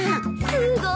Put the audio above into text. すごーい！